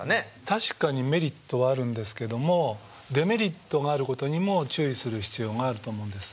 確かにメリットはあるんですけどもデメリットがあることにも注意する必要があると思うんです。